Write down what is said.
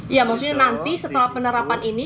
ya maksudnya nanti setelah penerapan ini